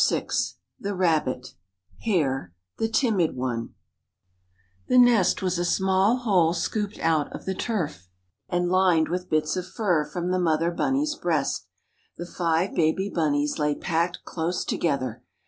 VI THE RABBIT (HARE) "THE TIMID ONE" THE TIMID ONE THE nest was a small hole scooped out of the turf and lined with bits of fur from the mother bunny's breast. The five baby bunnies lay packed close together.